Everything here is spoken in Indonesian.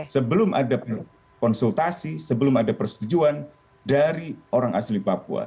sebelum ada konsultasi sebelum ada persetujuan dari orang asli papua